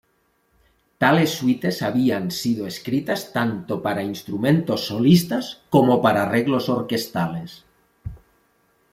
Tales suites habían sido escritas tanto para instrumentos solistas como para arreglos orquestales.